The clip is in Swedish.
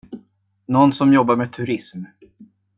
Nån som jobbar med turism.